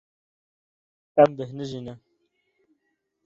Em bêhnijî ne.